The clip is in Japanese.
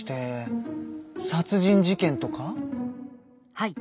はい。